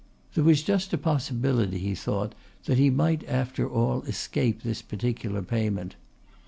There was just a possibility, he thought, that he might after all escape this particular payment.